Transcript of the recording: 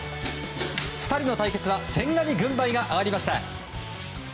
２人の対決は千賀に軍配が上がりました。